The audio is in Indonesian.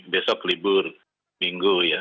besok libur minggu ya